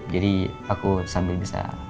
jadi aku sambil bisa